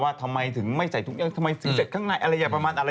ว่าทำไมถึงไม่ใส่ถุงยางทำไมถึงใส่ข้างในอะไรแบบประมาณอะไร